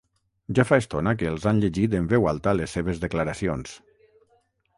Ja fa estona que els han llegit en veu alta les seves declaracions.